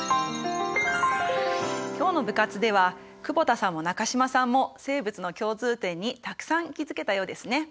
今日の部活では久保田さんも中島さんも生物の共通点にたくさん気付けたようですね。